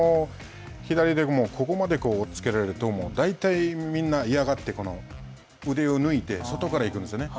ここまでおっつけられると、大体みんな嫌がって、腕を抜いて、外から行くんですよね。